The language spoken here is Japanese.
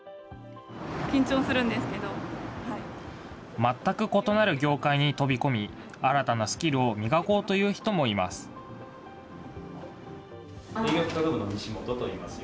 全く異なる業界に飛び込み、新たなスキルを磨こうという人もいます。